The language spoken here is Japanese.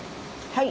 はい。